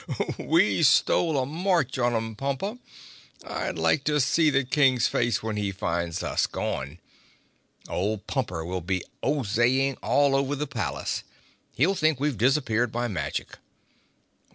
"We stole a march on 'em, Pompa. I'd like to see the King's face when he finds us gone. Old Pumper will be Oyezing all over the palace. He'll think we've disappeared by magic."